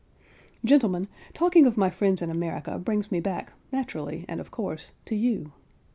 Gentlemen, talking of my friends in America, brings me back, naturally and of course, to you.